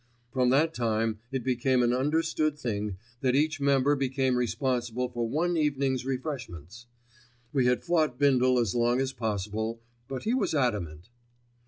From that time it became an understood thing that each member became responsible for one evening's refreshments. We had fought Bindle as long as possible, but he was adamant.